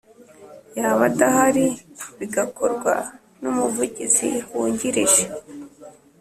yaba adahari bigakorwa n Umuvugizi Wungirije